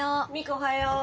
おはよう。